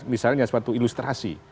misalnya suatu ilustrasi